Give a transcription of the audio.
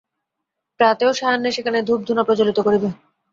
প্রাতে ও সায়াহ্নে সেখানে ধূপ-ধুনা প্রজ্বলিত করিবে।